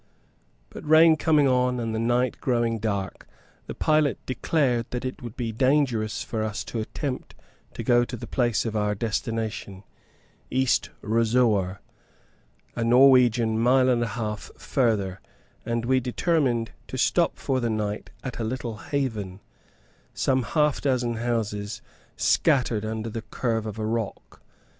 But rain coming on, and the night growing dark, the pilot declared that it would be dangerous for us to attempt to go to the place of our destination East Rusoer a Norwegian mile and a half further; and we determined to stop for the night at a little haven, some half dozen houses scattered under the curve of a rock.